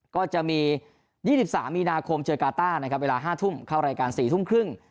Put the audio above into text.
ก็จะมี๒๓มีนาคมเจอการ์ตาเวลา๕ทุมเข้ารายการ๔ทุมครึ่ง